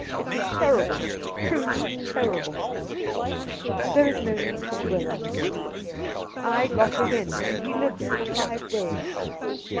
It was terrible — truly terrible !, There is no need to dwell on it all. I got him in and he lived for five days.